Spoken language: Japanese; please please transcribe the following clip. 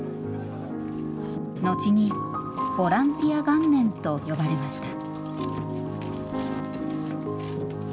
後に「ボランティア元年」と呼ばれました。